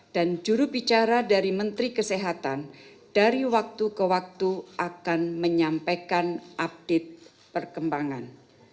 dan jurubicara dari menteri kesehatan dari waktu ke waktu akan menyampaikan update perkembangan